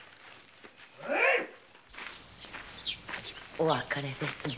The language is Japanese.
お別れですね。